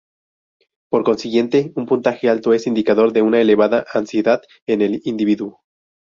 Por consiguiente, un puntaje alto es indicador de una elevada ansiedad en el individuo.